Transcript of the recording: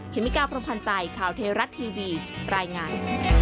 เคมิการ์พรพันธ์ใจข่าวเทรัตน์ทีวีรายงาน